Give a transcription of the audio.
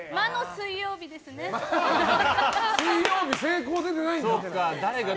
水曜日、成功出てないんだ。